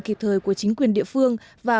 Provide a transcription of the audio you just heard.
kịp thời của chính quyền địa phương và